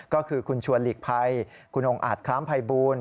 ก็คือคุณชวนหลีกภัยคุณองค์อาจคล้ามภัยบูล